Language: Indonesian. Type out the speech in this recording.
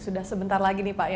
sudah sebentar lagi nih pak ya